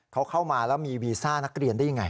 เขาเข้ามาแล้วมีวีซ่านักเรียนได้ยังไง